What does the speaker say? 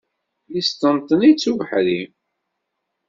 Yesṭenṭen-itt ubeḥri.